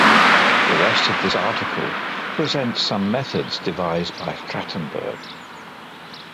The rest of this article presents some methods devised by Trachtenberg.